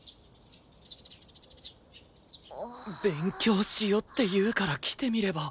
勉強しよって言うから来てみれば。